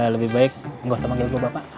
lebih baik enggak usah panggil gue bapak